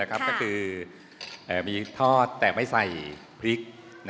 ก็คือมีทอดแต่ไม่ใส่พริก